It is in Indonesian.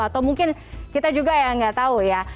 atau mungkin kita juga yang nggak tahu ya